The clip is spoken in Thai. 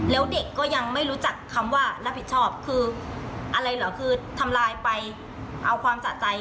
แล้วเด็กก็ยังไม่รู้จักคำว่ารับผิดชอบคืออะไรเหรอคือทำลายไปเอาความสะใจ